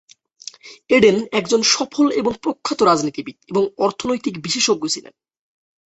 Eden একজন সফল এবং প্রখ্যাত রাজনীতিবিদ এবং অর্থনৈতিক বিশেষজ্ঞ ছিলেন।